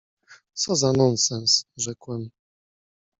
„Co za nonsens!” — rzekłem.